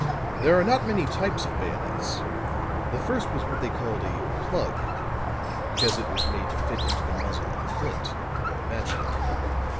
"There are not many types of bayonets. The first was what they called a 'Plug,' because it was made to fit into the muzzle of a flint, or match lock.